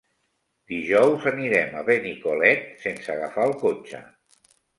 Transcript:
Dijous anirem a Benicolet sense agafar el cotxe.